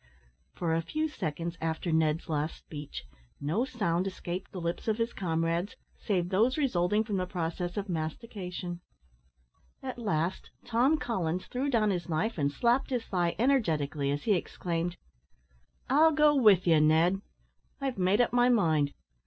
For a few seconds after Ned's last speech, no sound escaped the lips of his comrades, save those resulting from the process of mastication. At last, Tom Collins threw down his knife, and slapped his thigh energetically, as he exclaimed, "I'll go with you, Ned! I've made up my mind.